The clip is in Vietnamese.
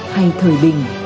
hay thời bình